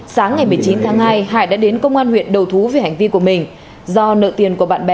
sáng ngày một mươi chín tháng hai hải đã đến công an huyện đầu thú về hành vi của mình